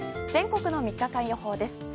全国の３日間予報です。